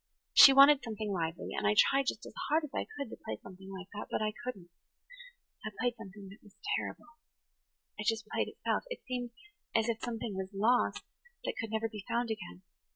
She wanted something lively, and I tried just as hard as I could to play something like that. But I couldn't. I played something that was terrible–it just played itself–it seemed as if something was lost that could never be found again.